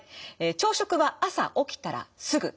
朝食は朝起きたらすぐ。